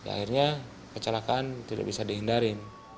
akhirnya kecelakaan tidak bisa dihindarin